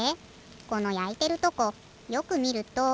このやいてるとこよくみると。